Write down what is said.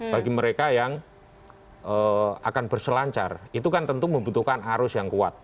bagi mereka yang akan berselancar itu kan tentu membutuhkan arus yang kuat